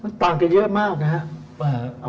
มันต่างกันเยอะมากนะครับ